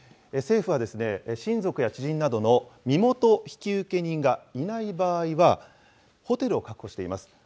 政府は、親族や知人などの身元引受人がいない場合は、ホテルを確保しています。